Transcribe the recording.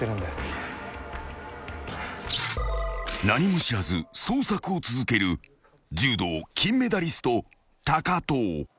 ［何も知らず捜索を続ける柔道金メダリスト藤］